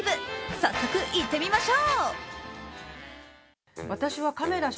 早速、いってみましょう！